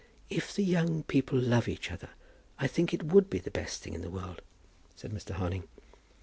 "If the young people love each other, I think it would be the best thing in the world," said Mr. Harding.